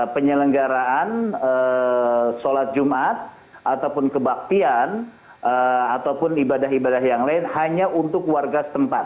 penyelenggaraan sholat jumat ataupun kebaktian ataupun ibadah ibadah yang lain hanya untuk warga setempat